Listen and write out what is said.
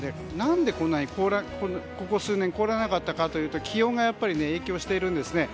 何でここ数年凍らなかったかというと気温が影響しているんです。